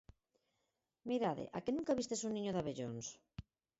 "Mirade, a que nunca vistes un niño de abellóns."